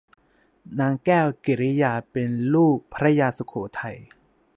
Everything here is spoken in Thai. นางแก้วกิริยาเป็นลูกพระยาสุโขทัย